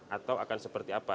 atau akan seperti apa